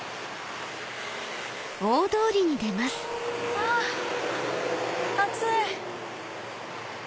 あ暑い！